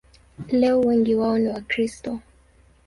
Leo wengi wao ni Wakristo.